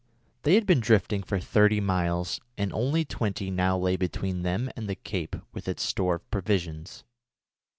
They had been drifting for thirty miles, and only twenty now lay between them and the cape with its store of provisions.